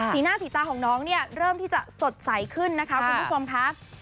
สีหน้าสีตาของน้องเนี่ยเริ่มที่จะสดใสขึ้นนะคะคุณผู้ชมค่ะ